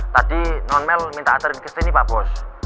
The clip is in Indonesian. tadi non male minta aturin kesini pak bos